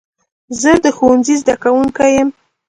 زه د ښوونځي زده کوونکی یم.